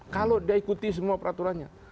kalau dia ikuti semua peraturannya